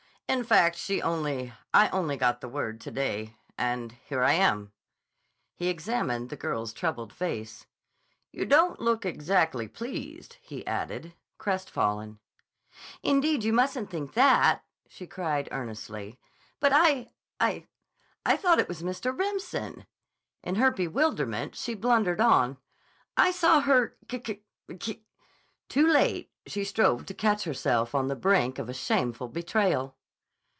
In fact she only—I only got the word to day. And here I am." He examined the girl's troubled face. "You don't look exactly pleased," he added, crestfallen. "Indeed, you mustn't think that," she cried earnestly. "But I—I—I thought it was Mr. Remsen." In her bewilderment she blundered on. "I saw her k k k " Too late she strove to catch herself on the brink of a shameful betrayal.